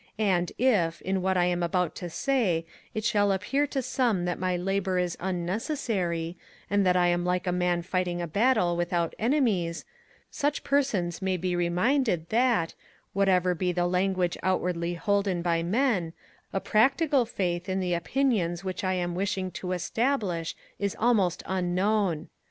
And if, in what I am about to say, it shall appear to some that my labour is unnecessary, and that I am like a man fighting a battle without enemies, such persons may be reminded, that, whatever be the language outwardly holden by men, a practical faith in the opinions which I am wishing to establish is almost unknown.